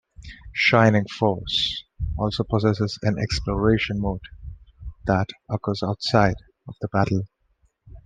"Shining Force" also possesses an exploration mode that occurs outside of battle.